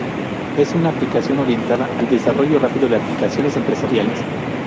Es una aplicación orientada al desarrollo rápido de aplicaciones empresariales.